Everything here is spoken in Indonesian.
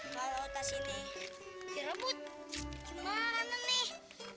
kalau tas ini direbut gimana nih